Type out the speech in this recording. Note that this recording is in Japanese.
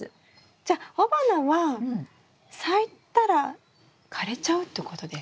じゃあ雄花は咲いたら枯れちゃうってことですか？